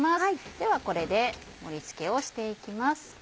ではこれで盛り付けをして行きます。